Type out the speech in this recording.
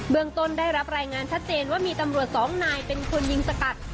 เมืองต้นได้รับรายงานชัดเจนว่ามีตำรวจสองนายเป็นคนยิงสกัด